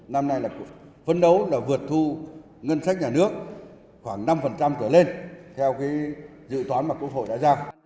năm nay là phấn đấu là vượt thu ngân sách nhà nước khoảng năm trở lên theo cái dự toán mà quốc hội đã ra